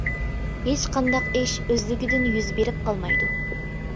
ھېچ قانداق ئىش ئۆزلۈكىدىن يۈز بېرىپ قالمايدۇ.